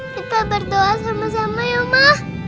kita berdoa sama sama ya uma